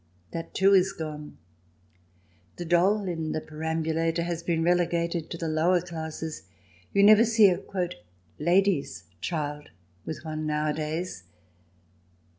That, too, is gone ; the doll in the perambulator has been relegated to the lower classes ; you never see a " lady's child " with one nowadays.